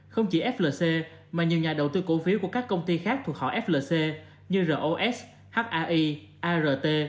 không chỉ flc mà nhiều nhà đầu tư cổ phiếu của các công ty khác thuộc họ flc như roshai art